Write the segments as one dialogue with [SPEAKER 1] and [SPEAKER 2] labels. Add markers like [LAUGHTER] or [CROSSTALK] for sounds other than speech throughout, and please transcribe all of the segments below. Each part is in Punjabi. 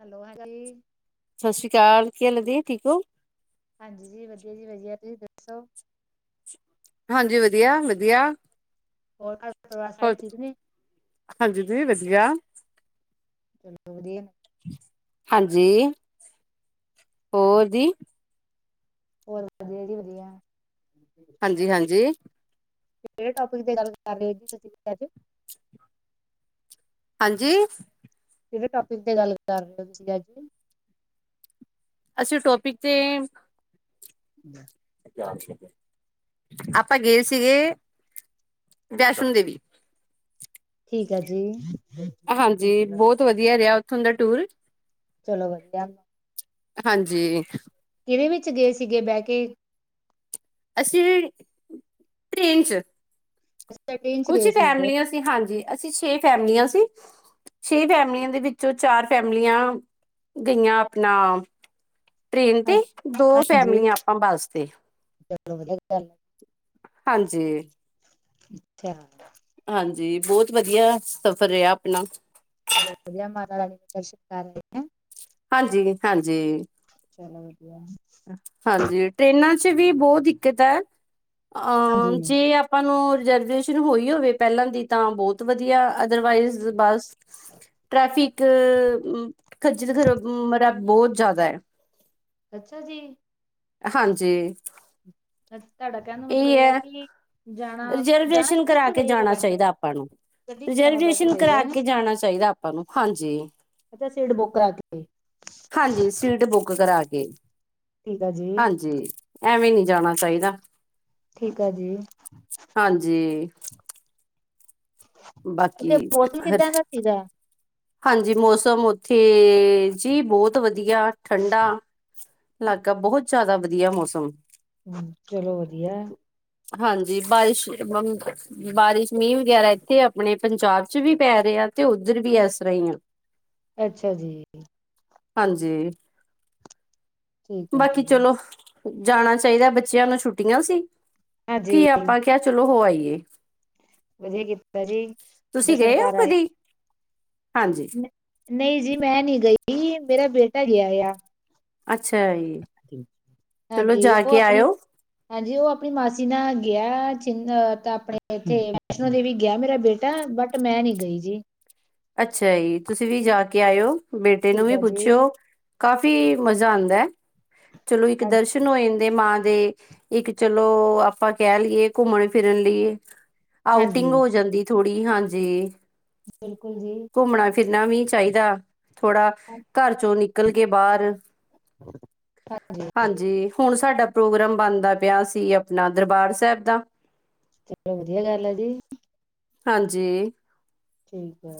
[SPEAKER 1] ਹੈਲੋ ਹਾਂਜੀ
[SPEAKER 2] ਸਾਸ ਸ੍ਰੀ ਅਕਾਲ ਕੀ ਹਾਲ ਏ ਦੀ ਠੀਕ ਓ?
[SPEAKER 1] ਹਾਂਜੀ ਜੀ ਵਧੀਆ ਜੀ ਵਧੀਆ ਤੁਸੀ ਦੱਸੋ
[SPEAKER 2] ਹਾਂਜੀ ਵਧੀਆ-ਵਧੀਆ।
[SPEAKER 1] ਹੋਰ ਕੱਰ-ਪਰਿਵਾਰ ਸਾਰੇ ਠੀਕ ਨੇ?
[SPEAKER 2] ਹਾਂਜੀ ਦੀ ਵਧੀਆ।
[SPEAKER 1] ਚਲੋ ਵਧੀਆ ਨੇ
[SPEAKER 2] ਹਾਂਜੀ ਹੋਰ ਦੀ?
[SPEAKER 1] ਹੋਰ ਵਧੀਆ ਜੀ ਵਧੀਆ।
[SPEAKER 2] ਹਾਂਜੀ-ਹਾਂਜੀ।
[SPEAKER 1] ਕੇੜੇ ਟੋਪਿਕ ਦੀ ਗੱਲ ਕਰ ਰੇ ਹੋ ਜੀ ਤੁਸੀਂ ਫਿਰ ਅੱਜ
[SPEAKER 2] [INAUDIBLE] ਹਾਂਜੀ
[SPEAKER 1] ਕੇੜੇ ਟੋਪਿਕ ਤੇ ਗੱਲ ਕਰ ਰੇ ਓ ਤੁਸੀ ਅੱਜ?
[SPEAKER 2] ਅਸੀ ਟੋਪਿਕ ਤੇ
[SPEAKER 1] [INAUDIBLE]
[SPEAKER 2] ਤੇਆਰ ਸੀਗੇ ਆਪਾਂ ਗਏ ਸੀਗੇ ਵੈਸਨੋ ਦੇਵੀ।
[SPEAKER 1] ਠੀਕ ਐ ਜੀ।
[SPEAKER 2] ਹਾਂਜੀ ਬੋਹਤ ਵਧੀਆ ਰੇਆ ਓਥੋਂ ਦਾ ਟੂਰ।
[SPEAKER 1] ਚਲੋ ਵਧੀਆ
[SPEAKER 2] ਹਾਂਜੀ
[SPEAKER 1] ਕਿਦੇ ਵਿੱਚ ਗਏ ਸੀਗੇ ਬੈ ਕੇ?
[SPEAKER 2] ਅਸੀਂ ਵੀ ਟ੍ਰੇਨ ਚ
[SPEAKER 1] ਅੱਛਾ ਟ੍ਰੇਨ ਚ
[SPEAKER 2] ਕੁਛ
[SPEAKER 1] ਗਏ
[SPEAKER 2] ਈ
[SPEAKER 1] ਸੀ ਬਹੁਤ
[SPEAKER 2] ਫੈਮਲੀਆਂ ਸੀ ਹਾਂਜੀ ਅਸੀਂ ਛੇ ਫੈਮਲੀਆਂ ਸੀ ਛੇ ਫੈਮਲੀਆਂ ਦੇ ਵਿੱਚੋਂ ਚਾਰ ਫੈਮਲੀਆਂ ਗਈਆਂ ਅਪਣਾ ਟ੍ਰੇਨ
[SPEAKER 1] ਹਾਂ
[SPEAKER 2] ਤੇ, ਦੋ
[SPEAKER 1] ਹਾਂਜੀ
[SPEAKER 2] ਫੈਮਲੀਆਂ ਆਪਾਂ ਬੱਸ ਤੇ।
[SPEAKER 1] ਚਲੋ ਵਧੀਆ ਗੱਲ
[SPEAKER 2] ਹਾਂਜੀ।
[SPEAKER 1] ਅੱਛਾ
[SPEAKER 2] ਹਾਂਜੀ ਬੋਹਤ ਵਧੀਆ ਸਫ਼ਰ ਰੇਆ ਅਪਣਾ।
[SPEAKER 1] ਚਲੋ ਵਧੀਆ ਮਾਤਾ ਰਾਣੀ ਦੇ ਦਰਸ਼ਨ ਕਰ ਲਿੱਤੇ।
[SPEAKER 2] ਹਾਂਜੀ-ਹਾਂਜੀ।
[SPEAKER 1] ਚਲੋ ਵਧੀਆ।
[SPEAKER 2] ਹਾਂਜੀ ਟ੍ਰੇਨਾਂ ਚ ਵੀ ਬੋਤ ਦਿੱਕਤ ਐ‌
[SPEAKER 1] ਹਾਂਜੀ
[SPEAKER 2] ਅਮ ਜੇ ਅ ਆਪਾਂ ਨੂੰ ਰਿਜਰਵੇਸ਼ਨ ਹੋਈ ਹੋਵੇ ਪੈਲਾਂ ਦੀ ਤਾਂ ਬੋਹਤ ਵਧੀਆ ਅਦਰਵਾਈਜ਼ ਬਸ ਟ੍ਰੈਫਿਕ ਖੱਜਲ ਖਰਬ ਮਰਾ ਬਹੁਤ ਜ਼ਿਆਦੈ।
[SPEAKER 1] ਅੱਛਾ ਜੀ।
[SPEAKER 2] ਹਾਂਜੀ।
[SPEAKER 1] ਤੁਹਾਡਾ ਕਹਿਣ ਦਾ ਮਤਲਬ
[SPEAKER 2] ਇਹ
[SPEAKER 1] ਹੈ
[SPEAKER 2] ਐ,
[SPEAKER 1] ਕਿ ਜਾਣਾ ਜਾਣਾ
[SPEAKER 2] ਰਿਜਰਵੇਸ਼ਨ
[SPEAKER 1] ਕਿਹਦੇ
[SPEAKER 2] ਕਰਾ
[SPEAKER 1] ਚ
[SPEAKER 2] ਕੇ
[SPEAKER 1] ਰਹੇਗਾ
[SPEAKER 2] ਜਾਣਾ
[SPEAKER 1] ਬੈਟਰ
[SPEAKER 2] ਚਾਹੀਦੈ ਆਪਾਂ ਨੂੰ।
[SPEAKER 1] ਗੱਡੀ ਚ ਜਾਣਾ ਬੈਟਰ
[SPEAKER 2] ਰਿਜ਼ਰਵੇਸ਼ਨ
[SPEAKER 1] ਰਹੇਗਾ
[SPEAKER 2] ਕਰਾ
[SPEAKER 1] ਹੈਂ
[SPEAKER 2] ਕੇ ਜਾਣਾ ਚਾਹੀਦੈ ਆਪਾਂ ਨੂੰ ਹਾਂਜੀ।
[SPEAKER 1] ਅੱਛਾ ਸੀਟ ਬੁੱਕ ਕਰਾ ਕੇ
[SPEAKER 2] ਹਾਂਜੀ ਸੀਟ ਬੁੱਕ ਕਰਾ ਕੇ।
[SPEAKER 1] ਠੀਕ ਆ ਜੀ
[SPEAKER 2] ਹਾਂਜੀ ਐਂਵੇ ਨੀ ਜਾਣਾ ਚਾਹੀਦਾ।
[SPEAKER 1] ਠੀਕ ਆ ਜੀ।
[SPEAKER 2] ਹਾਂਜੀ।
[SPEAKER 1] ਉੱਥੇ
[SPEAKER 2] ਬਾਕੀ
[SPEAKER 1] ਮੌਸਮ ਕਿੱਦਾ ਦਾ ਸੀਗਾ?
[SPEAKER 2] ਹਾਂਜੀ ਮੌਸਮ ਤੇ ਜੀ ਬੋਤ ਵਧੀਆ ਠੰਡਾ ਇਲਾਕਾ ਬਹੁਤ ਜ਼ਿਆਦਾ ਵਧੀਆ ਮੌਸਮ
[SPEAKER 1] ਚਲੋ ਵਧੀਐ।
[SPEAKER 2] ਹਾਂਜੀ ਬਾਰਿਸ਼ ਬਾਰਿਸ਼ ਮੀਹ ਵਗੈਰਾ ਇੱਥੇ ਆਪਣੇ ਪੰਜਾਬ ਚ ਵੀ ਪੈ ਰਿਐ ਤੇ ਉੱਧਰ ਵੀ ਇਸਰ੍ਹਾ ਈ
[SPEAKER 1] ਅੱਛਾ ਜੀ!
[SPEAKER 2] ਹਾਂਜੀ
[SPEAKER 1] ਠੀਕ ਆ
[SPEAKER 2] ਬਾਕੀ
[SPEAKER 1] ਜੀ
[SPEAKER 2] ਚਲੋ ਜਾਣਾ ਚਾਹੀਦੈ ਬੱਚਿਆ ਨੂੰ ਛੁੱਟੀਆ ਸੀ
[SPEAKER 1] ਹਾਂਜੀ
[SPEAKER 2] ਕਿ ਆਪਾਂ ਕਿਆ ਚਲੋ ਹੋ ਆਈਏ।
[SPEAKER 1] ਵਧੀਆ ਕੀਤਾ ਜੀ
[SPEAKER 2] ਤੁਸੀਂ
[SPEAKER 1] ਦਰਸ਼ਨ
[SPEAKER 2] ਗਏ ਹੋ
[SPEAKER 1] ਕਰ ਆਏ।
[SPEAKER 2] ਕਦੀ ਹਾਂਜੀ
[SPEAKER 1] ਨਈ ਜੀ ਮੈ ਨੀ ਗਈ, ਮੇਰਾ ਬੇਟਾ ਗਿਆ ਏ ਆ।
[SPEAKER 2] ਅੱਛਾ ਜੀ ਚਲੋ
[SPEAKER 1] ਹਾਂਜੀ
[SPEAKER 2] ਜਾ
[SPEAKER 1] ਉਹ
[SPEAKER 2] ਕੇ
[SPEAKER 1] ਆਪਣੇ
[SPEAKER 2] ਆਇਓ
[SPEAKER 1] ਹਾਂਜੀ ਉਹ ਆਪਣੀ ਮਾਸੀ ਨਾਲ ਗਿਆ ਚਿੰਨ ਤਾ ਆਪਣੇ ਇੱਥੇ ਵੈਸ਼ਨੋ ਦੇਵੀ ਗਿਆ ਮੇਰਾ ਬੇਟਾ ਬਟ ਮੈ ਨੀ ਗਈ ਜੀ।
[SPEAKER 2] ਅੱਛਾ ਜੀ ਤੁਸੀ ਵੀ ਜਾ ਕੇ ਆਇਓ, ਬੇਟੇ ਨੂੰ
[SPEAKER 1] ਠੀਕ
[SPEAKER 2] ਵੀ
[SPEAKER 1] ਆ ਜੀ
[SPEAKER 2] ਪੁੱਛਿਓ ਕਾਫੀ ਮਜ਼ਾ ਆਂਦੈ, ਚਲੋ ਇੱਕ
[SPEAKER 1] ਹਾਂਜੀ
[SPEAKER 2] ਦਰਸ਼ਨ ਹੋ ਜਂਦੇ ਮਾਂ ਦੇ ਇੱਕ ਚਲੋ ਆਪਾਂ ਕਹਿ ਲਈਏ ਘੁੰਮਣ ਫਿਰਨ ਲਈ ਆਊਟਿੰਗ
[SPEAKER 1] ਹਾਂਜੀ।
[SPEAKER 2] ਹੋ ਜਾਂਦੀ ਥੋੜ੍ਹੀ ਹਾਂਜੀ।
[SPEAKER 1] ਬਿਲਕੁਲ ਜੀ।
[SPEAKER 2] ਘੁੰਮਣਾ ਫਿਰਨਾ ਵੀ ਚਾਹੀਦਾ, ਥੋੜਾ ਘਰ ਚੋ ਨਿਕਲ ਕੇ ਬਾਰ
[SPEAKER 1] ਚਲੋ
[SPEAKER 2] ਹਾਂਜੀ ਹੁਣ ਸਾਡਾ ਪ੍ਰੋਗਰਾਮ ਬਣਦਾ ਪਿਆ ਸੀ ਆਪਣਾ ਦਰਬਾਰ ਸੈਬ ਦਾ
[SPEAKER 1] ਚਲੋ ਵਧੀਆ ਗੱਲ ਐ ਜੀ
[SPEAKER 2] ਹਾਂਜੀ।
[SPEAKER 1] ਠੀਕ ਐ।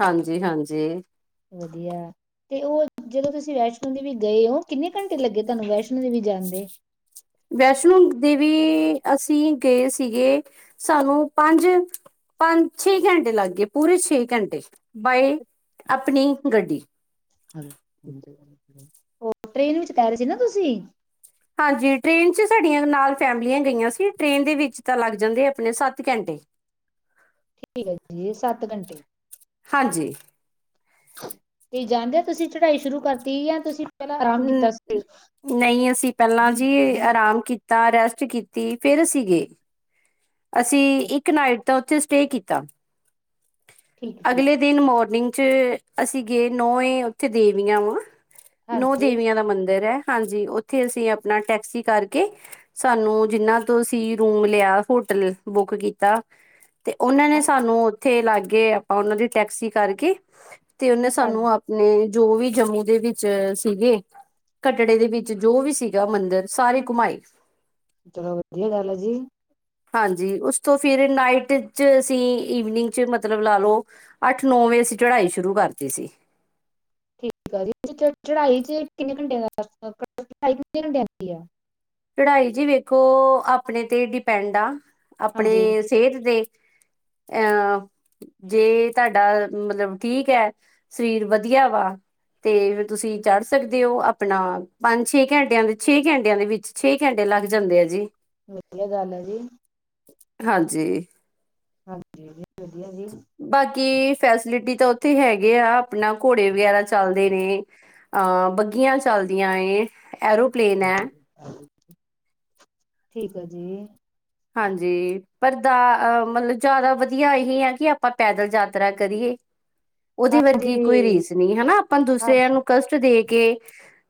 [SPEAKER 2] ਹਾਂਜੀ ਹਾਂਜੀ।
[SPEAKER 1] ਵਧੀਆ। ਤੇ ਉਹ ਜਦੋ ਤੁਸੀ ਵੈਸ਼ਨੋ ਦੇਵੀ ਗਏ ਓ, ਕਿੰਨੇ ਘੰਟੇ ਲੱਗੇ ਤੁਹਾਨੂੰ ਵੈਸ਼ਨੋ ਦੇਵੀ ਜਾਣ ਦੇ।
[SPEAKER 2] ਵੈਸ਼ਨੋ ਦੇਵੀ ਅਸੀ ਗਏ ਸੀਗੇ ਸਾਨੂੰ ਪੰਜ ਪੰਜ, ਛੇ ਘੰਟੇ ਲੱਗ ਗਏ ਪੂਰੇ ਛੇ ਘੰਟੇ ਬਾਏ ਆਪਣੀ ਗੱਡੀ
[SPEAKER 1] ਉਹ ਟ੍ਰੇਨ ਵਿੱਚ ਕਹਿ ਰੇ ਸੀ ਨਾ ਤੁਸੀ
[SPEAKER 2] ਹਾਂਜੀ ਟ੍ਰੇਨ ਚ ਸਾਡੀਆਂ ਨਾਲ ਫੈਮਲੀਆਂ ਗਈਆਂ ਸੀ। ਟ੍ਰੇਨ ਦੇ ਵਿੱਚ ਤਾ ਲੱਗ ਜਾਂਦੇ ਆਪਣੇ ਸੱਤ ਘੰਟੇ।
[SPEAKER 1] ਠੀਕ ਆ ਜੀ ਸੱਤ ਘੰਟੇ
[SPEAKER 2] ਹਾਂਜੀ।
[SPEAKER 1] ਤੇ ਜਾਦਿਆ ਤੁਸੀਂ ਚੜਾਈ ਸ਼ੁਰੂ ਕਰਤੀ ਜਾ ਤੁਸੀ ਪੈਲਾ ਆਰਾਮ ਕੀਤਾ ਸੀ।
[SPEAKER 2] ਨਈ ਅਸੀ ਪੈਲਾ ਜੀ ਆਰਾਮ ਕੀਤਾ, ਰੈਸਟ ਕੀਤੀ ਫੇਰ ਅਸੀ ਗਏ। ਅਸੀ ਇੱਕ ਨਾਈਟ ਦਾ ਉੱਥੇ ਸਟੇ ਕੀਤਾ
[SPEAKER 1] ਠੀਕ-ਠੀਕ,
[SPEAKER 2] ਅਗਲੇ ਦਿਨ ਮੋਰਨਿੰਗ ਚ ਅਸੀ ਗਏ ਨੌ ਈ ਉੱਥੇ ਦੇਵੀਆ ਆ। ਨੌ
[SPEAKER 1] ਹਾਂਜੀ,
[SPEAKER 2] ਦੇਵੀਆ ਦਾ ਮੰਦਰ ਆ ਹਾਜੀ ਉੱਥੇ ਅਸੀ ਆਪਣਾ ਟੈਕਸੀ ਕਰਕੇ ਸਾਨੂੰ ਜਿੰਨਾ ਤੋ ਅਸੀ ਰੂਮ ਲਿਆ ਹੁ ਟਲ ਨੇ ਬੁੱਕ ਕੀਤਾ ਤੇ ਉਨਾ ਨੇ ਸਾਨੂੰ ਇੱਥੇ ਲਾਗੇ ਆਪਾ ਉਨਾ ਦੀ ਟੈਕਸੀ ਕਰਕੇ ਤੇ ਉਨੇ
[SPEAKER 1] ਹਾਂਜੀ,
[SPEAKER 2] ਸਾਨੂੰ ਆਪ ਨੇ ਜੋ ਵੀ ਜੰਮੂ ਦੇ ਵਿੱਚ ਸੀਗੇ ਕੱਟੜੇ ਦੇ ਵਿੱਚ ਜੋ ਵੀ ਸੀਗਾ ਮੰਦਿਰ ਸਾਰੀ ਘੁਮਾਈ।
[SPEAKER 1] ਚਲੋ ਵਧੀਆ ਗੱਲ ਆ ਜੀ।
[SPEAKER 2] ਹਾਜੀ ਉਸ ਤੋ ਫਿਰ ਨਾਈਟ ਚ ਅਸੀ ਈਵਨਿੰਗ ਚ ਮਤਲਬ ਲਾ ਲੋ ਅੱਠ ਨੌ ਵਜੇ ਅਸੀਂ ਚੜ੍ਹਾਈ ਸ਼ੁਰੂ ਕਰਤੀ ਸੀ।
[SPEAKER 1] ਠੀਕ ਆ ਚੜਾਈ ਚ ਕਿੰਨੇ ਘੰਟਿਆਂ ਦਾ ਰਸਤਾ ਚੜਾਈ ਕਿੰਨੇ ਘੰਟਿਆਂ ਦੀ ਐ।
[SPEAKER 2] ਚੜਾਈ ਜੀ ਵੇਖੋ ਆਪਣੇ ਤੇ ਡਿਪੈਂਡ ਆ ਆਪਣੇ
[SPEAKER 1] ਹਾਂਜੀ,
[SPEAKER 2] ਸੇਹਤ ਤੇ। [UNINTELLIGIBLE] ਜੇ ਤੁਹਾਡਾ ਮਤਲਬ ਠੀਕ ਐ ਸਰੀਰ ਵਧੀਆ ਵਾ। ਤੇ ਫੇਰ ਤੁਸੀਂ ਚੜ੍ਹ ਸਕਦੇ ਹੋ ਆਪਣਾ ਪੰਜ ਛੇ ਘੰਟਿਆਂ ਦੇ ਛੇ ਘੰਟਿਆਂ ਦੇ ਵਿੱਚ। ਛੇ ਘੰਟੇ ਲੱਗ ਜਾਂਦੇ ਆ ਜੀ।
[SPEAKER 1] ਵਧੀਆ ਗੱਲ ਐ ਜੀ।
[SPEAKER 2] ਹਾਂਜੀ।
[SPEAKER 1] ਹਾਂਜੀ ਵਧੀਆ ਜੀ।
[SPEAKER 2] ਬਾਕੀ ਫੈਸਲਿਟੀ ਤਾਂ ਉੱਥੇ ਹੈਗੇ ਆ ਆਪਣਾ ਘੋੜੇ ਵਗੈਰਾ ਚੱਲਦੇ ਨੇ ਅਹ ਬੱਗੀਆਂ ਚੱਲਦੀਆਂ ਏ ਐਰੋ
[SPEAKER 1] ਠੀਕ ਐ ਜੀ।
[SPEAKER 2] ਹਾਂਜੀ ਪਰ ਦਾ ਮਤਲਬ ਜਾਦਾ ਵਧੀਆ ਇਹੀ ਆ ਕਿ ਆਪਾਂ ਪੈਦਲ ਯਾਤਰਾ ਕਰੀਏ।
[SPEAKER 1] [INAUDIBLE]
[SPEAKER 2] ਓਦੇ ਵਰਗੀ ਕੋਈ
[SPEAKER 1] ਹਾਂਜੀ
[SPEAKER 2] ਰੀਸ ਨੀ ਹਨਾ ਆਪਾਂ
[SPEAKER 1] ਹਾਂ
[SPEAKER 2] ਦੂਸਰਿਆਂ ਨੂੰ ਕਸ਼ਟ ਦੇ ਕੇ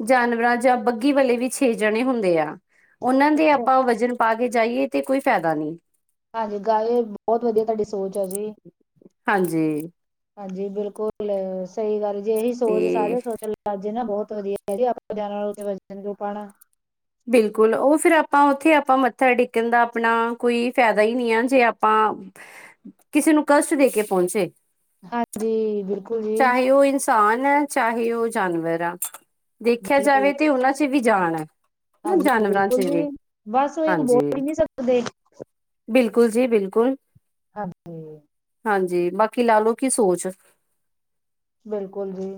[SPEAKER 2] ਜਾਨਵਰਾਂ ਜਾਂ ਬੱਗੀ ਵਾਲੇ ਵੀ ਛੇ ਜਣੇ ਹੁੰਦੇ ਆ। ਉਨਾਂ ਦੇ
[SPEAKER 1] ਅੱਛਾ।
[SPEAKER 2] ਆਪਾਂ ਵਜ਼ਨ ਪਾ ਕੇ ਜਾਈਏ ਤੇ ਕੋਈ ਫੈਦਾ ਨੀ।
[SPEAKER 1] ਹਾਂਜੀ ਗਾਲ ਬੋਤ ਵਧੀਆ ਤੁਹਾਡੀ ਸੋਚ ਆ ਜੀ।
[SPEAKER 2] ਹਾਂਜੀ।
[SPEAKER 1] ਹਾਂਜੀ ਬਿਲਕੁਲ ਸਈ ਗੱਲ ਜੇ ਏਹੀ ਸੋਚ
[SPEAKER 2] ਤੇ
[SPEAKER 1] ਸਾਰੇ ਸੋਚਣ ਲਗ ਜੇ ਨਾ ਬੋਤ ਵਧੀਆ [INAUDIBLE] ਆਪਾਂ ਜਾਨਵਰ ਉੱਤੇ ਵਜਣ ਕਿਉ ਪਾਣਾ।
[SPEAKER 2] ਬਿਲਕੁਲ ਉਹ ਫਿਰ ਆਪਾਂ ਉੱਥੇ ਆਪਾਂ ਮੱਥਾ ਟੇਕਣ ਦਾ ਆਪਣਾ ਕੋਈ ਫੈਦਾ ਹੀ ਨੀ ਐ ਜੇ ਆਪਾਂ ਕਿਸੀ ਨੂੰ ਕਸ਼ਟ ਦੇ ਕੇ ਪੋਚੇ।
[SPEAKER 1] ਹਾਂਜੀ ਬਿਲਕੁਲ ਜੀ।
[SPEAKER 2] ਸਾਨ ਐ ਚਾਹੇ ਉਹ ਜਾਨਵਰ ਆ ਦੇਖਿਆ ਜਾਵੇ
[SPEAKER 1] ਬਿਲਕੁਲ
[SPEAKER 2] ਤਾਂ ਉਨਾਂ ਚ ਵੀ ਜਾਨ ਐ।
[SPEAKER 1] ਹਾਂਜੀ ਬਿਲਕੁਲ ਜੀ ਬਸ ਉਹੀ ਬੋਲ
[SPEAKER 2] ਹਾਂਜੀ
[SPEAKER 1] ਹੀ ਨੀ ਸਕਦੇ।
[SPEAKER 2] ਬਿਲਕੁਲ ਜੀ ਬਿਲਕੁਲ।
[SPEAKER 1] ਹਾਂਜੀ।
[SPEAKER 2] ਹਾਂਜੀ ਬਾਕੀ ਲਾ ਲੋ ਕੀ ਸੋਚ।
[SPEAKER 1] ਬਿਲਕੁਲ ਜੀ।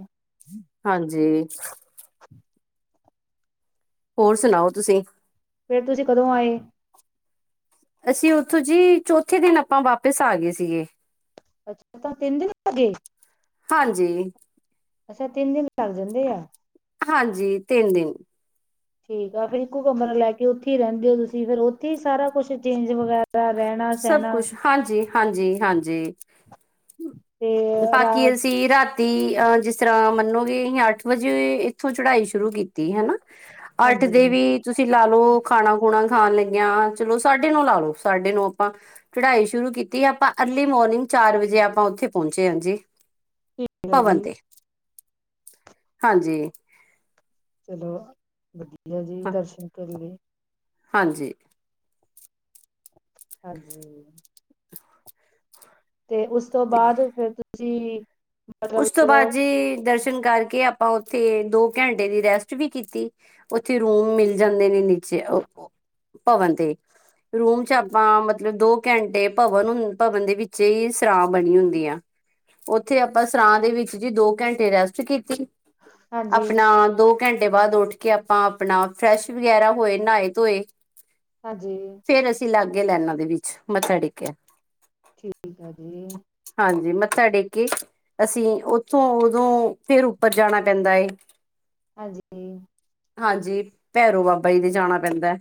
[SPEAKER 2] ਹਾਂਜੀ।
[SPEAKER 1] [INAUDIBLE]
[SPEAKER 2] ਹੋਰ ਸੁਨਾਓ ਤੁਸੀਂ।
[SPEAKER 1] ਫੇਰ ਤੁਸੀਂ ਕਦੋਂ ਆਏ?
[SPEAKER 2] ਅਸੀਂ ਓਥੋਂ ਜੀ ਚੌਥੇ ਦਿਨ ਆਪਾਂ ਵਾਪਿਸ ਆ ਗੇ ਸੀਗੇ।
[SPEAKER 1] ਅੱਛਾ, ਤਾਂ ਤਿੰਨ ਦਿਨ ਲੱਗੇ।
[SPEAKER 2] ਹਾਂਜੀ।
[SPEAKER 1] ਅੱਛਾ, ਤਿੰਨ ਦਿਨ ਲੱਗ ਜਾਂਦੇ ਆ।
[SPEAKER 2] ਹਾਂਜੀ ਤਿੰਨ ਦਿਨ।
[SPEAKER 1] ਠੀਕ ਆ ਫੇਰ ਇੱਕੋ ਕਮਰਾ ਲੈ ਕੇ ਓਥੇ ਈ ਰੈਂਦੇ ਓ ਤੁਸੀਂ ਫੇਰ ਓਥੇ ਈ ਸਾਰਾ ਕੁਛ ਚੇਂਜ ਵਗੈਰਾ ਰੈਣਾ
[SPEAKER 2] ਸਭ ਕੁਛ, ਹਾਂਜੀ, ਹਾਂਜੀ, ਹਾਂਜੀ।
[SPEAKER 1] ਤੇ
[SPEAKER 2] ਬਾਕੀ
[SPEAKER 1] ਰਾਤ
[SPEAKER 2] ਅਸੀਂ ਰਾਤ ਤੀ ਅਹ ਜਿਸ ਤਰ੍ਹਾਂ ਮੰਨੋਗੇ ਨੀ ਅੱਠ ਵਜੇ ਇਥੋਂ ਚੜਾਈ ਸ਼ੁਰੂ ਕੀਤੀ ਤੀ ਹਨਾ ਅੱਠ
[SPEAKER 1] ਹਾਂਜੀ
[SPEAKER 2] ਦੇ ਵੀ ਤੁਸੀਂ ਲਾ ਲੋ ਖਾਣਾ ਖੁਣਾ ਖਾਣ ਲੱਗੇਆਂਚਲੋ ਸਾਡੇ ਨੋ ਲਾ ਲੋ ਸਾਡੇ ਨੋ ਆਪਾਂ ਚੜਾਈ ਸ਼ੁਰੂ ਕੀਤੀ ਆਪਾਂ ਅਰਲੀ ਮੋਰਨਿੰਗ ਚਾਰ ਵਜੇ ਆਪਾਂ ਓਥੇ ਪੌਂਚੇ ਆ ਜੀ।
[SPEAKER 1] ਠੀਕ ਹੈ
[SPEAKER 2] ਭਵਨ
[SPEAKER 1] ਜੀ
[SPEAKER 2] ਤੇ, ਹਾਂਜੀ।
[SPEAKER 1] ਚਲੋ ਵਧੀਆ ਜੀ,
[SPEAKER 2] ਹਾਂ
[SPEAKER 1] ਦਰਸ਼ਨ ਕਰ ਲੇ।
[SPEAKER 2] ਹਾਂਜੀ।
[SPEAKER 1] ਹਾਂਜੀ। ਤੇ ਉਸ ਤੋਂ
[SPEAKER 2] ਤੇ
[SPEAKER 1] ਬਾਦ ਫੇਰ ਤੁਸੀਂ ਮਤਲਬ
[SPEAKER 2] ਉਸ ਤੋਂ
[SPEAKER 1] ਜਦੋਂ
[SPEAKER 2] ਬਾਦ ਜੀ ਦਰਸ਼ ਨ ਕਰਕੇ ਆਪਾਂ ਓਥੇ ਦੋ ਘੈਂਟੇ ਦੀ ਰੈਸਟ ਵੀ ਕੀਤੀ ਓਥੇ ਰੂਮ ਮਿਲ ਜਾਂਦੇ ਨੇ। 'ਚ ਓ ਭਵਨ ਤੇ ਰੂਮ 'ਚ ਆਪਾਂ ਮਤਲਬ ਦੋ ਘੈਂਟੇ ਭਵਨ ਉਨ ਭਵਨ ਦੇ ਵਿੱਚੇ ਈ ਸਰਾਂ ਬਣੀ ਹੁੰਦੀ ਆ ਓਥੇ ਬਸ ਸਰਾਂ ਦੇ ਵਿੱਚ ਜੀ ਦੋ ਘੈਂਟੇ ਰੈਸਟ ਕੀਤੀ
[SPEAKER 1] ਹਾਂਜੀ
[SPEAKER 2] ਆਪਣਾ ਦੋ ਘੰਟੇ ਬਾਦ ਉੱਠ ਕੇ ਆਪਾਂ ਆਪਣਾ ਫਰੈਸ਼ ਵਗੈਰਾ ਹੋਏ ਨਹਾਏ ਧੋਏ।
[SPEAKER 1] ਹਾਂਜੀ।
[SPEAKER 2] ਫੇਰ ਅਸੀਂ ਲਾਗੇ ਲੈਨਾ ਦੇ ਵਿੱਚ ਮੱਥਾ ਟੇਕੇਆ।
[SPEAKER 1] ਠੀਕ ਆ ਜੀ।
[SPEAKER 2] ਹਾਂਜੀ ਮੱਥਾ ਟੇਕ ਕੇ ਅਸੀਂ ਓਥੋਂ ਓਦੋਂ ਫੇਰ ਉੱਪਰ ਜਾਣਾ ਪੈਂਦਾ ਏ।
[SPEAKER 1] ਹਾਂਜੀ।
[SPEAKER 2] ਹਾਂਜੀ ਭੈਰੋ ਬਾਬਾ ਜੀ ਦੇ ਜਾਣਾ ਪੈਂਦਾ ਐ।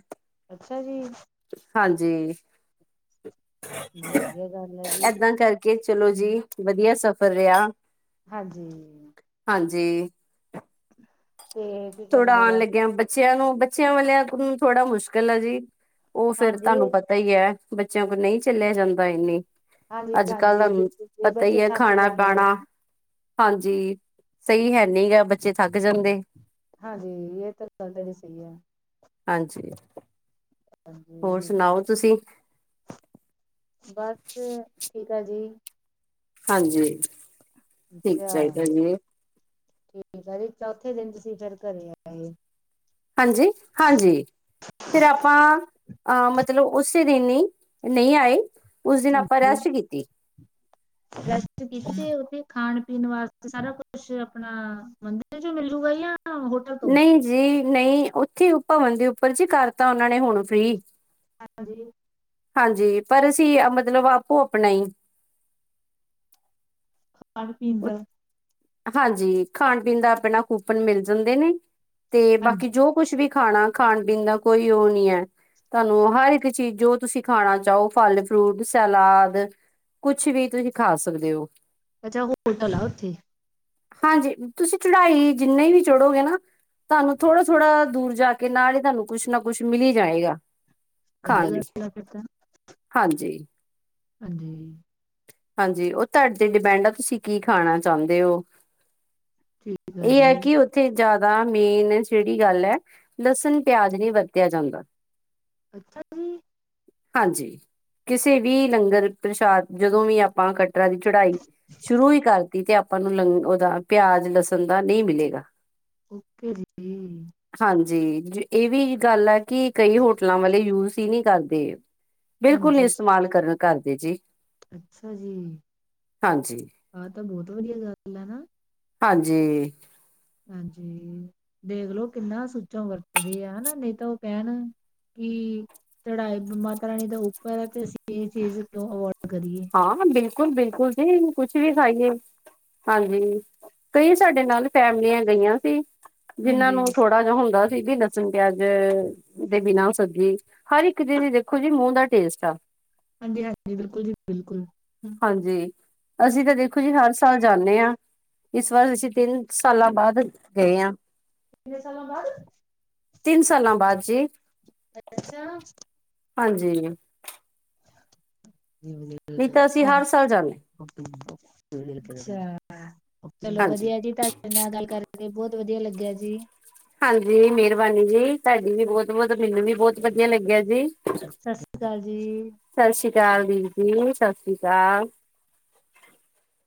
[SPEAKER 1] ਅੱਛਾ ਜੀ।
[SPEAKER 2] ਹਾਂਜੀ।
[SPEAKER 1] ਹੂੰ, ਵਦੀਆ ਗੱਲ ਐ ਜੀ।
[SPEAKER 2] ਕੇ ਚਲੋ ਜੀ, ਵਦੀਆ ਸਫ਼ਰ ਰਯਾ।
[SPEAKER 1] ਹਾਂਜੀ।
[SPEAKER 2] ਹਾਂਜੀ।
[SPEAKER 1] ਤੇ ਕੀ
[SPEAKER 2] ਥੋੜਾ
[SPEAKER 1] ਕਹਿੰਦੇ
[SPEAKER 2] ਆਣ
[SPEAKER 1] ਆ
[SPEAKER 2] ਲੱਗੇਆ ਬੱਚੇਆਂ ਨੂੰ, ਬੱਚੇਆਂ ਵਾਲਿਆਂ ਨੂੰ ਥੋੜਾ ਮੁਸ਼ਕਿਲ ਆ ਜੀ। ਓ ਫੇਰ
[SPEAKER 1] ਹਾਂਜੀ
[SPEAKER 2] ਤਾਂਨੂੰ ਪਤਾ ਈ ਐ ਬੱਚੇਆਂ ਕੋਲ ਨਈ ਚੱਲੇਆ ਜਾਂਦਾ ਇਨੀ
[SPEAKER 1] ਹਾਂਜੀ
[SPEAKER 2] ਅੱਜ ਕੱਲ ਦਾ
[SPEAKER 1] ਹਾਂਜੀ ਬਿਲਕੁਲ ਜੀ
[SPEAKER 2] ਪਤਾ ਈ
[SPEAKER 1] ਬੱਚੇ
[SPEAKER 2] ਐ
[SPEAKER 1] ਥੱਕ
[SPEAKER 2] ਖਾਣ
[SPEAKER 1] ਜਾਂਦੇ ਆ
[SPEAKER 2] ਪਾਣਾ ਹਾਂਜੀ, ਸਈ ਹੈ ਨੀਗਾ ਬੱਚੇ ਥੱਕ ਜਾਂਦੇ।
[SPEAKER 1] ਹਾਂਜੀ, ਏ ਤਾਂ ਗੱਲ ਤੁਆਡੀ ਸਈ ਐ।
[SPEAKER 2] ਹਾਂਜੀ
[SPEAKER 1] ਹਾਂਜੀ
[SPEAKER 2] ਹੋਰ ਸੁਣਾਓ
[SPEAKER 1] ਬਿਲਕੁਲ
[SPEAKER 2] ਤੁਸੀਂ
[SPEAKER 1] ਬਸ ਠੀਕ ਆ ਜੀ
[SPEAKER 2] ਹਾਂਜੀ ਠੀਕ
[SPEAKER 1] ਅੱਛਾ
[SPEAKER 2] ਚਾਹੀਦਾ ਜੀ
[SPEAKER 1] ਠੀਕ ਆ ਜੀ ਚੌਥੇ ਦਿਨ ਤੁਸੀਂ ਫਿਰ ਘਰੇ ਆਏ।
[SPEAKER 2] ਹਾਂਜੀ ਹਾਂਜੀ ਫਿਰ ਆਪਾਂ ਅ ਮਤਲਬ ਉਸੇ ਦਿਨ ਈ ਨਈ ਆਏ। ਉਸ ਦਿਨ ਆਪਾਂ
[SPEAKER 1] ਹਾਂਜੀ
[SPEAKER 2] ਰੈਸਟ ਕੀਤੀ।
[SPEAKER 1] ਰੈਸਟ ਕੀਤੀ ਤੇ ਉੱਥੇ ਖਾਣ ਪੀਣ ਵਾਸਤੇ ਸਾਰਾ ਕੁਛ ਆਪਣਾ ਮੰ ਦਰ ਜੋ ਮਿਲੂਗਾ ਜਾਂ ਹੋ
[SPEAKER 2] ਨਈ ਜੀ ਨਈ ਉੱਥੇ ਭਵਨ ਦੇ ਉੱਪਰ ਚ ਈ ਕਰਤਾ ਓਨਾਂ ਨੇ ਹੁਣ ਫ੍ਰੀ
[SPEAKER 1] ਹਾਂਜੀ
[SPEAKER 2] ਹਾਂਜੀ ਪਰ ਅਸੀਂ ਮਤਲਬ ਆਪੋ ਆਪਣਾ ਈ
[SPEAKER 1] ਖਾਣ ਪੀਣ ਦਾ
[SPEAKER 2] ਹਾਂਜੀ ਖਾਣ ਪੀਣ ਦਾ ਆਪਣਾ ਕੂਪਨ ਮਿਲ ਜਾਂਦੇ ਨੇ ਤੇ ਬਾਕੀ
[SPEAKER 1] ਹਾਂਜੀ
[SPEAKER 2] ਜੋ ਕੁਛ ਵੀ ਖਾਣਾ, ਖਾਣ ਪੀਣ ਦਾ ਕੋਈ ਓ ਨੀ ਐ। ਤੁਆਨੂੰ ਹਰ ਇੱਕ ਚੀਜ਼ ਜੋ ਤੁਸੀਂ ਖਾਣਾ ਚਾਓ ਫਲ, ਫਰੂਟ, ਸਲਾਦ ਕੁਛ ਵੀ ਤੁਸੀਂ ਖਾ ਸਕਦੇ ਓ।
[SPEAKER 1] ਅੱਛਾ ਹੋਟਲ ਆ ਉੱਥੇ
[SPEAKER 2] ਹਾਂਜੀ ਤੁਸੀਂ ਚੜਾਈ ਜਿੰਨੇ ਵੀ ਚੜੋਗੇ ਨਾ। ਤੁਆਨੂੰ ਥੋੜਾ-ਥੋੜ੍ਹਾ ਦੂਰ ਜਾ ਕੇ ਨਾਲ ਈ ਤੁਆਨੂੰ ਕੁਛ ਨਾ ਕੁਛ ਮਿਲ ਈ ਜਾਏਗਾ।
[SPEAKER 1] ਵਧੀਆ
[SPEAKER 2] ਖਾਣ ਲਈ
[SPEAKER 1] ਗੱਲ ਆ ਫਿਰ ਤਾਂ
[SPEAKER 2] ਹਾਂਜੀ।
[SPEAKER 1] ਹਾਂਜੀ
[SPEAKER 2] ਹਾਂਜੀ ਓ ਤਾਡੇ ਤੇ ਡਿਪੈਡ ਆ ਤੁਸੀਂ ਕੀ ਖਾਣਾ ਚਾਂਦੇ ਓ।
[SPEAKER 1] ਠੀਕ
[SPEAKER 2] ਏ ਆ
[SPEAKER 1] ਜੀ
[SPEAKER 2] ਕੀ ਓ ਥੇ ਜ਼ਾਦਾ ਮੇਨ ਜੇੜੀ ਗੱਲ ਆ ਲਸਣ ਪਿਆਜ ਨੀ ਵਰਤਿਆ ਜਾਂਦਾ।
[SPEAKER 1] ਅੱਛਾ ਜੀ।
[SPEAKER 2] ਹਾਂਜੀ, ਕਿਸੇ ਵੀ ਲੰਗਰ ਪ੍ਰਸ਼ਾਦ ਜਦੋ ਵੀ ਆਪਾਂ ਕੱ ਟਰਾ ਦੀ ਚੜਾਈ ਸ਼ੁਰੂ ਈ ਕਰਤੀ ਤੇ ਆਪਾਂ ਨੂੰ ਲੰਗ ਓਦਾ ਪਿਆਜ ਲਸਣ ਦਾ ਨਈ ਮਿਲੇਗਾ।
[SPEAKER 1] ਓਕੇ ਜੀ ਹੂੰ
[SPEAKER 2] ਹਾਂਜੀ, ਏਵੀ ਗੱਲ ਆ ਕਿ ਕਈ ਹੋਟਲਾਂ ਵਾਲੇ ਯੂਜ ਹੀ ਨੀ ਕਰਦੇ। ਬਿਲਕੁਲ ਨੀ
[SPEAKER 1] ਹਾਂਜੀ
[SPEAKER 2] ਇਸਤੇਮਾਲ ਕਰਨ ਕਰਦੇ ਜੀ।
[SPEAKER 1] ਅੱਛਾ ਜੀ
[SPEAKER 2] ਹਾਂਜੀ।
[SPEAKER 1] ਆ ਤਾਂ ਬੋਤ ਵਧੀਆ ਗੱਲ ਆ ਨਾ।
[SPEAKER 2] ਹਾਂਜੀ
[SPEAKER 1] ਹਾਂਜੀ ਦੇਖਲੋ ਕਿੰਨਾ ਸੂਚਮ ਵਰਤਦੇ ਆ ਹਨਾ ਨਈ ਤਾਂ ਓ ਕੈਨ ਕੀ ਚੜਾਈ ਮਾਤਾ ਰਾਣੀ ਦਾ ਉੱਪਰ ਐ ਤੇ ਅਸੀਂ ਏ ਚੀਜ਼ ਕਿਉਂ ਅਵੋਇਡ ਕਰੀਏ।
[SPEAKER 2] ਹਾਂ ਬਿਲਕੁਲ ਬਿਲਕੁਲ ਜੀ ਕੁਛ ਵੀ ਖਾਈਏ। ਹਾਂਜੀ ਕਈ ਸਾਡੇ ਨਾਲ ਫੈਮਲੀਆਂ ਗਈਆ ਸੀ ਜਿਨਾਂ
[SPEAKER 1] ਹਾਂਜੀ
[SPEAKER 2] ਨੂੰ ਥੋੜਾ ਜੇਆ ਹੁੰਦਾ ਸੀ ਗੀ ਲਸਣ ਪਿਆਜ ਦੇ ਬਿਨਾ ਓ ਸਬਜੀ ਹਰ ਇੱਕ ਜੀ ਦੀ ਦੇਖੋ ਜੀ ਮੂੰਹ ਦਾ ਟੇਸਟ ਆ।
[SPEAKER 1] ਹਾਂਜੀ ਹਾਂਜੀ ਬਿਲਕੁਲ ਜੀ ਬਿਲਕੁਲ।
[SPEAKER 2] ਹਾਂਜੀ ਅਸੀਂ ਤਾਂ ਦੇਖੋ ਜੀ ਹਰ ਸਾਲ ਜਾਂਨੇ ਆ। ਇਸ ਵਾਰ ਅਸੀਂ ਤਿੰਨ ਸਾਲਾਂ ਬਾਅਦ ਗਏ ਆ।
[SPEAKER 1] ਛੇ ਸਾਲਾਂ ਬਾਅਦ।
[SPEAKER 2] ਤਿੰਨ ਸਾਲਾਂ ਬਾਅਦ ਜੀ।
[SPEAKER 1] ਅੱਛਾ।
[SPEAKER 2] ਹਾਂਜੀ।
[SPEAKER 1] [INAUDIBLE]
[SPEAKER 2] ਨਹੀਂ ਤਾਂ ਅਸੀਂ ਹਰ ਸਾਲ ਜਾਣ
[SPEAKER 1] ਅੱਛਾ ਚਲੋ
[SPEAKER 2] ਹਾਂਜੀ
[SPEAKER 1] ਵਧੀਆ ਜੀ ਤੁਹਾਡੇ ਨਾਲ ਗੱਲ ਕਰਕੇ ਬਹੁਤ ਵਧੀਆ ਲੱਗਿਆ ਜੀ।
[SPEAKER 2] ਹਾਂਜੀ, ਮਿਹਰਬਾਨੀ ਜੀ ਤੁਹਾਡੀ ਵੀ
[SPEAKER 1] ਸਤਿ
[SPEAKER 2] ਬਹੁਤ ਬਹੁਤ ਮੈਨੂੰ ਵੀ ਬਹੁਤ ਵਧੀਆ ਲੱਗਿਆ ਜੀ।
[SPEAKER 1] ਸਸਰੀਕਾਲ ਜੀ।
[SPEAKER 2] ਸਸਰੀਕਾਲ ਦੀਪ ਜੀ ਸਸਰੀਕਾਲ।